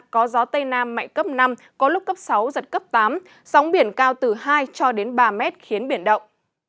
có gió tây nam mạnh cấp năm có lúc cấp sáu giật cấp tám sóng biển cao từ hai cho đến ba mét khiến biển động